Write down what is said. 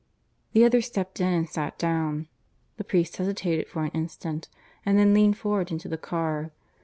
The other stepped in and sat down. The priest hesitated for an instant, and then leaned forward into the car.